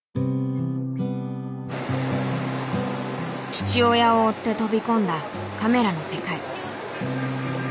父親を追って飛び込んだカメラの世界。